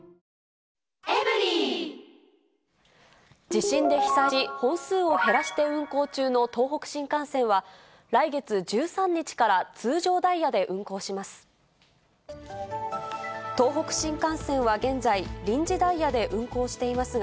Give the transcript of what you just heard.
地震で被災し、本数を減らして運行中の東北新幹線は、来月１３日から通常ダイヤで運行します。